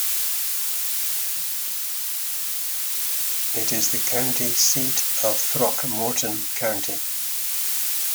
It is the county seat of Throckmorton County.